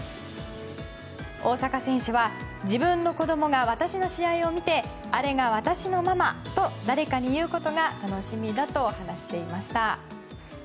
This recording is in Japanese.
大坂選手は自分の子供が私の試合を見てあれが私のママと誰かに言うことが楽しみだと話していました。